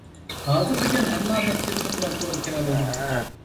ھازىر دېگەن ھەممە ئادەم تېلېفون بىلەن تورغا كىرەلەيدۇ.